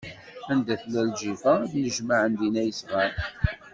Anda tella lǧifa, ad d-nnejmaɛen dinna yesɣan.